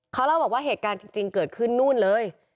เขาเล่าบอกว่าเหตุการณ์จริงเกิดขึ้นนู่นเลย